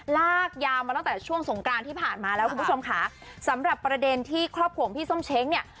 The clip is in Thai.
ลากยาวมาตั้งแต่ช่วงสงกรานที่ผ่านมาแล้วคุณผู้ชมค่ะสำหรับประเด็นที่ครอบครัวของพี่ส้มเช้งเนี่ย